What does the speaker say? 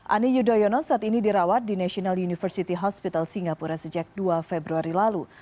ani yudhoyono saat ini dirawat di national university hospital singapura sejak dua februari lalu